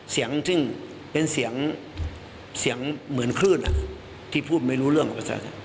เสียงซึ่งเป็นเสียงเสียงเหมือนคลื่นที่พูดไม่รู้เรื่องกับกระแส